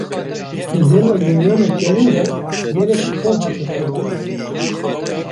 Di dema Yewnana kevin de gelek Spor hatin pêk anîn.